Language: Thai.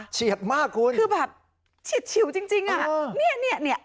เฉียดมากคุณคือแบบเฉียดฉิวจริงนี่นี่